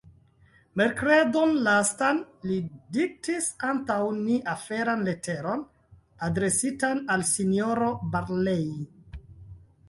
Merkredon lastan, li diktis antaŭ ni aferan leteron adresitan al S-ro Barlei.